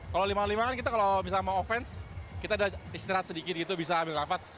kalau lima lima kan kita kalau bisa mau offense kita udah istirahat sedikit gitu bisa ambil nafas